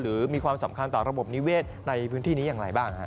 มีความสำคัญต่อระบบนิเวศในพื้นที่นี้อย่างไรบ้างฮะ